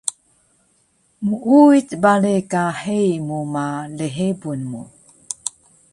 Muuwic bale ka heyi mu ma lhebun mu